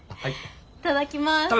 いただきます。